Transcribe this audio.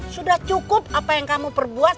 sudah cukup apa yang kamu perbuat